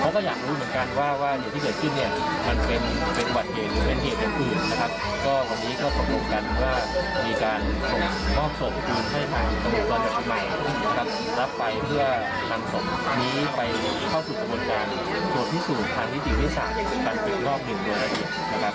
ไปเข้าสู่ประบวนการส่วนที่สูงทางพิธีเวสากันเป็นครอบหนึ่งโดยละเอียดนะครับ